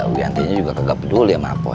wianti juga tidak peduli dengan saya